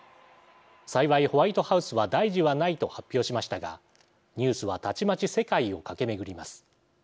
幸いホワイトハウスは大事はないと発表しましたがニュースはたちまち世界を駆け巡ります。